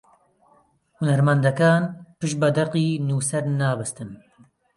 هونەرمەندەکان پشت بە دەقی نووسەر نابەستن